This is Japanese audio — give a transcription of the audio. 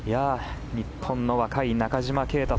日本の若い中島啓太